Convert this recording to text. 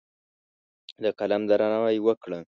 د قلم درناوی وکړه.